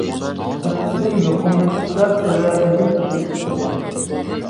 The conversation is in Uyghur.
بىر قىسىم يۇقۇملىنىشلار سەۋەبىدىن كېلىپ چىقىدۇ.